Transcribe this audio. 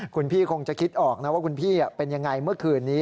คุณพี่คงจะคิดออกนะว่าคุณพี่เป็นยังไงเมื่อคืนนี้